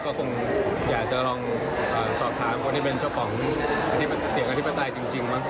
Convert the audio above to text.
ก็คงอยากจะลองสอบถามคนที่เป็นเจ้าของเสียงอธิปไตยจริงบ้าง